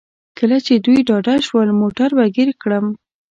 کله چې دوی ډاډه شول موټر به ګیر کړم.